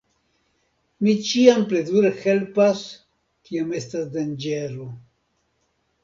Mi ĉiam plezure helpas kiam estas danĝero.